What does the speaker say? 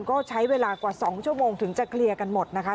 ก็ใช้เวลากว่า๒ชั่วโมงถึงจะเคลียร์กันหมดนะคะ